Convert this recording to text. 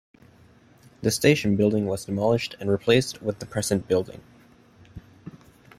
The station building was demolished and replaced with the present building.